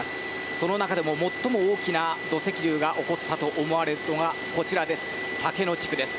その中でも最も大きな土石流が起こったと思われるのがこちら、竹野地区です。